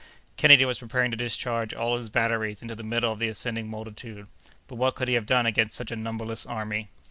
Kennedy was preparing to discharge all his batteries into the middle of the ascending multitude, but what could he have done against such a numberless army?